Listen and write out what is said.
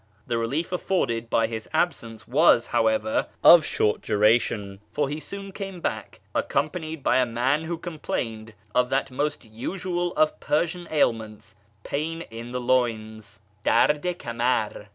The relief afforded by his absence was, however, of short duration, for he soon came back, accompanied by a man who complained of that most usual of Persian ailments " pain in the loins " {dard i hamar).